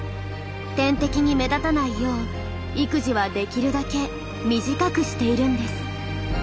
天敵に目立たないよう育児はできるだけ短くしているんです。